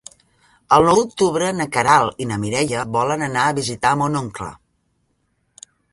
El nou d'octubre na Queralt i na Mireia volen anar a visitar mon oncle.